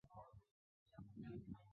弗雷斯努瓦莱沙托人口变化图示